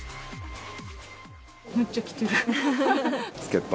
むっちゃ来てる。